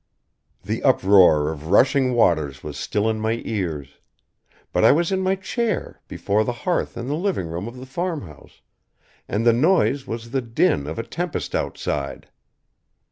The uproar of rushing waters was still in my ears. But I was in my chair before the hearth in the living room of the farmhouse, and the noise was the din of a tempest outside.